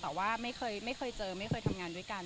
แต่ว่าไม่เคยเจอไม่เคยทำงานด้วยกัน